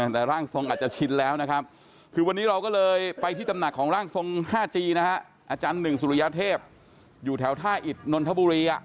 แต่ร่างทรงอาจจะชินแล้วนะครับ